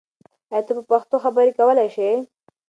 آیا ته په پښتو خبرې کولای شې؟